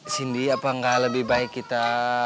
cindy apakah lebih baik kita